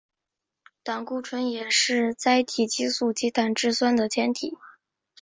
胆固醇也是甾体激素及胆汁酸的前体。